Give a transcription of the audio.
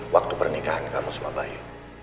waktu pernikahan kamu sama bayu